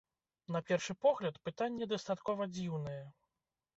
На першы погляд, пытанне дастаткова дзіўнае.